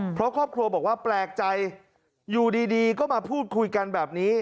เพราะครอบครัวบอกว่าแปลกใจอยู่ดีก็มาพูดคุยกันแบบนี้